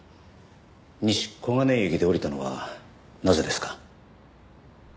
西小金井駅で降りたのはなぜですか？